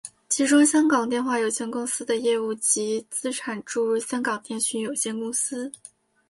其中香港电话有限公司的业务及资产注入香港电讯有限公司。